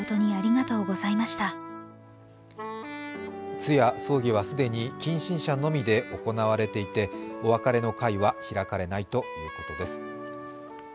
通夜・葬儀は既に近親者のみで行われていてお別れの会は開かれないということです。